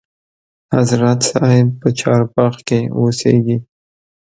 حضرت صاحب په چارباغ کې اوسیږي.